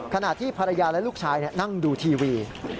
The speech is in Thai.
ขณะที่ภรรยาและลูกชายนั่งดูทีวี